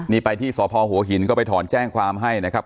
นี่ไปที่สพหัวหินก็ไปถอนแจ้งความให้นะครับ